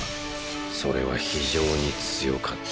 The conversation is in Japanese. それは非常に強かった。